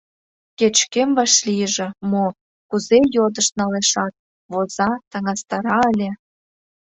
Кеч-кӧм вашлийже — мо, кузе – йодышт налешат, воза, таҥастара ыле...